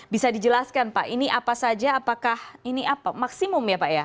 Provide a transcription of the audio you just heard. bisa dijelaskan pak ini apa saja apakah ini apa maksimum ya pak ya